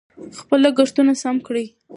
خپل لګښتونه سم کړئ.